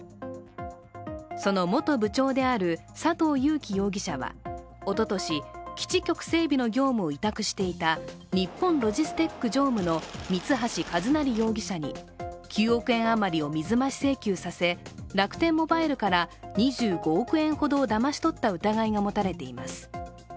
その元部長である佐藤友紀容疑者はおととし、基地局整備の業務を委託していた日本ロジステック常務の三橋一成容疑者に９億円余りを水増し請求させ楽天モバイルから２５億円ほどをだまし取った疑いが持たれています。